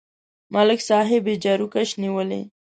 ملک صاحب یې جاروکش نیولی.